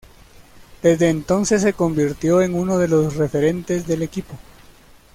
Desde entonces, se convirtió en uno de los referentes del equipo.